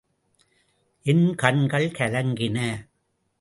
என் கண்கள் கலங்கின.